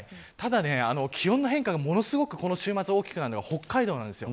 気温の変化がこの週末大きくなるのが北海道なんです。